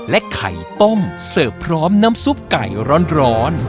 ไข่ต้มเสิร์ฟพร้อมน้ำซุปไก่ร้อน